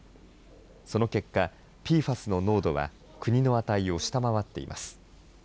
その結果、ＰＦＡＳの濃度は、国の値を下回っています。